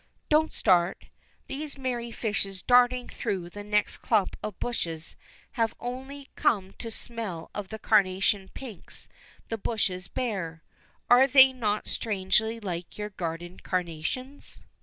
Don't start. These merry fishes darting through the next clump of bushes have only come to smell of the carnation pinks the bushes bear. Are they not strangely like your garden carnations?